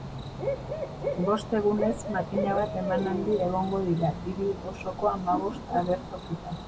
Bost egunez, makina bat emanaldi egongo dira hiri osoko hamabost agertokitan.